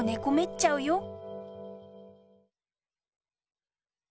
こめっちゃうよ。